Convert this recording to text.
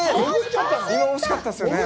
今、惜しかったですよね。